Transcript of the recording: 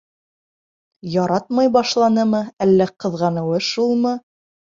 Яратмай башланымы, әллә ҡыҙғаныуы шулмы?